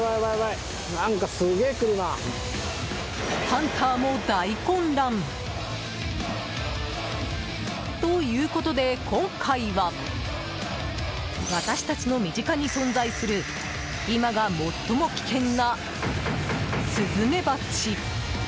ハンターも大混乱！ということで、今回は私たちの身近に存在する今が最も危険なスズメバチ。